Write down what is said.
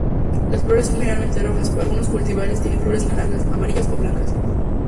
Las flores son generalmente rojas, pero algunos cultivares tienen flores naranjas, amarillas o blancas.